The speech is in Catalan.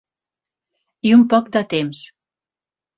I un poc de temps.